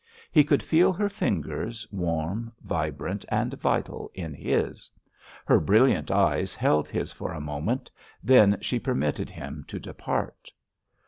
He could feel her fingers warm, vibrant, and vital in his. Her brilliant eyes held his for a moment; then she permitted him to depart.